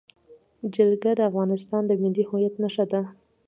جلګه د افغانستان د ملي هویت نښه ده.